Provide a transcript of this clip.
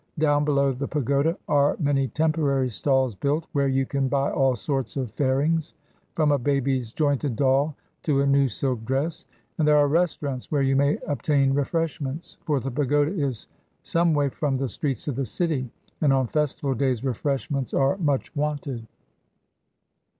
Down below the pagoda are many temporary stalls built, where you can buy all sorts of fairings, from a baby's jointed doll to a new silk dress; and there are restaurants where you may obtain refreshments; for the pagoda is some way from the streets of the city, and on festival days refreshments are much wanted.